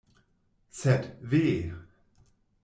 Sed, ve!